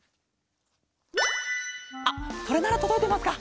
あっそれならとどいてますか？